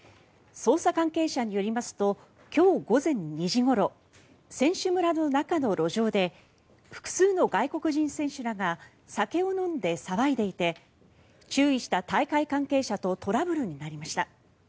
捜査関係者によりますと今日午前２時ごろ選手村の中の路上で複数の外国人選手らが酒を飲んで騒いでいて注意した大会関係者とトラブルになりました。